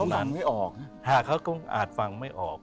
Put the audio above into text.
เขาฟังไม่ออกหากเขาก็อาจฟังไม่ออก